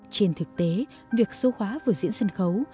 trên thực tế việc số hóa vừa diễn sân khấu